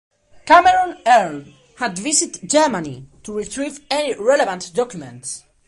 Cameron Earl had visited Germany to retrieve any relevant documents.